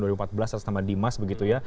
setelah teman dimas begitu ya